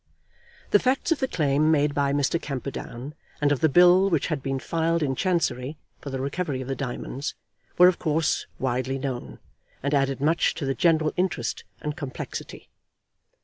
The facts of the claim made by Mr. Camperdown, and of the bill which had been filed in Chancery for the recovery of the diamonds, were of course widely known, and added much to the general interest and complexity.